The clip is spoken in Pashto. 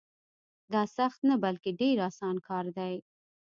دا سخت نه بلکې ډېر اسان کار دی.